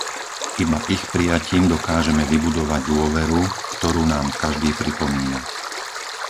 Iba ich prijatím dokážeme vybudovať dôveru, ktorú nám každý pripomína.